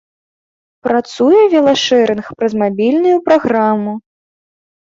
Працуе велашэрынг праз мабільную праграму.